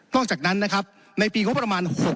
นอกจากนั้นในปีประมาณ๑๙๖๑